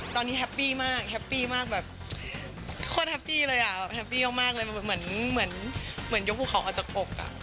ตอนนี้แฮปปี้มากแฮปปี้มากแบบโคตรแฮปปี้เลยอ่ะแฮปปี้มากเลยเหมือนยกภูเขาออกจากอกอ่ะ